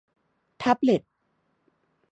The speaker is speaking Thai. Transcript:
แท็บเลต